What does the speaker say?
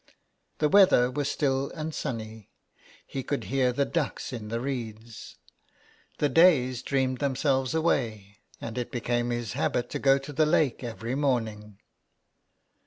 The weather was still and sunny. He could hear the ducks in the reeds. The days dreamed themselves away, and it became his habit to go to the lake every morning.